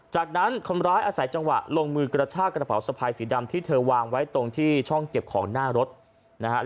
จากนั้นคนร้ายอาศัยจังหวะลงมือกระชากระเป๋าสะพายสีดำที่เธอวางไว้ตรงที่ช่องเก็บของหน้ารถนะฮะ